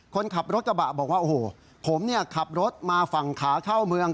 คนขับรถกระบะบอกว่าโอ้โหผมเนี่ยขับรถมาฝั่งขาเข้าเมือง